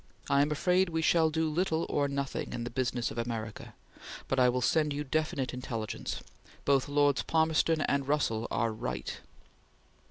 I am afraid we shall do little or nothing in the business of America. But I will send you definite intelligence. Both Lords Palmerston and Russell are right.